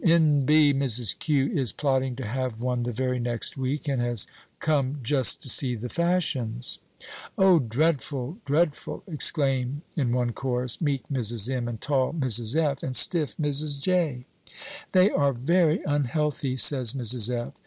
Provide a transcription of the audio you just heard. (N. B. Mrs. Q. is plotting to have one the very next week, and has come just to see the fashions.) "O, dreadful, dreadful!" exclaim, in one chorus, meek Mrs. M., and tall Mrs. F., and stiff Mrs. J. "They are very unhealthy," says Mrs. F.